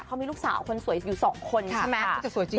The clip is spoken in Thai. เขามีลูกสาวคนสวยอยู่สองคนใช่ไหม